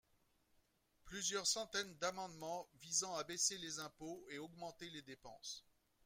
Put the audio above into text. plusieurs centaines d’amendements visant à baisser les impôts et augmenter les dépenses.